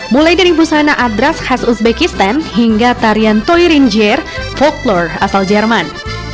mulai dari busana adras khas uzbekistan hingga tarian toiringer folklore asal jerman